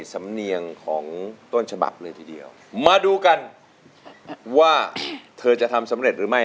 สำเนียงของต้นฉบับเลยทีเดียวมาดูกันว่าเธอจะทำสำเร็จหรือไม่